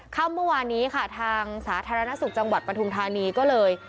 ค่ำเมื่อวานนี้ค่ะทางสาธารณสุขจังหวัดปทุมธานีก็เลย